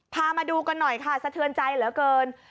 พามาดูกันหน่อยค่ะสะเทือนใจเหลือเกิน